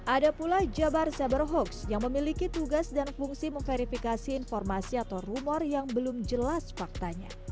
ada pula jabar cyberhoax yang memiliki tugas dan fungsi memverifikasi informasi atau rumor yang belum jelas faktanya